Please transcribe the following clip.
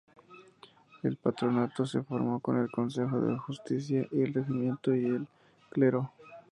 El patronato se formó con el Consejo, la Justicia, el Regimiento y el Clero.